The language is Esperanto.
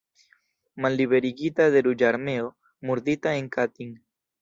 Malliberigita de Ruĝa Armeo, murdita en Katin.